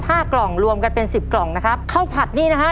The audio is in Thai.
กล่องรวมกันเป็นสิบกล่องนะครับข้าวผัดนี่นะฮะ